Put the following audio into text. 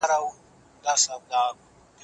د درملنې نشتوالی ستونزه ده.